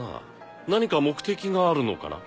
何か目的があるのかな？